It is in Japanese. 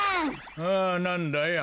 ああなんだい？